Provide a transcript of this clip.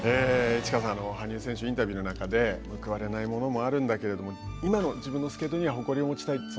市川さん羽生選手インタビューの中で報われないものもあるけれども今の自分のスケートには誇りを持ちたい